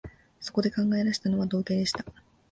そこで考え出したのは、道化でした